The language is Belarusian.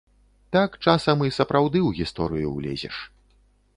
Так часам і сапраўды ў гісторыю ўлезеш.